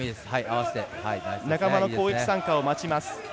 仲間の攻撃参加を待ちます。